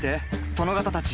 殿方たち！